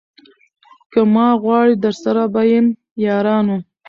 که ما غواړی درسره به یم یارانو